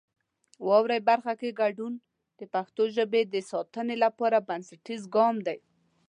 د واورئ برخه کې ګډون د پښتو ژبې د ساتنې لپاره بنسټیز ګام دی.